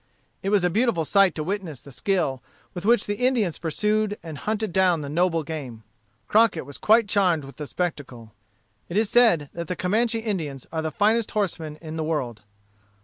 It was a beautiful sight to witness the skill with which the Indians pursued and hunted down the noble game. Crockett was quite charmed with the spectacle. It is said that the Comanche Indians are the finest horsemen in the world.